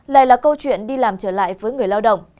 lại là câu chuyện đi làm trở lại với người lao động